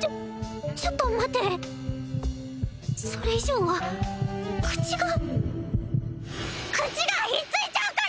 ちょちょっと待てそれ以上は口が口がひっついちゃうから！